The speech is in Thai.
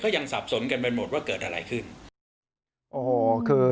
ก็ยังสับสนกันไปหมดว่าเกิดอะไรขึ้น